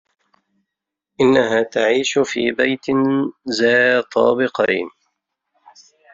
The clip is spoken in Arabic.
إنها تعيش في بيت ذا طابقين.